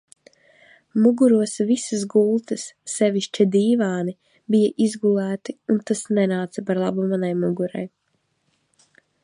Muguros visas gultas, sevišķi dīvāni, bija izgulēti un tas nenāca par labu manai mugurai.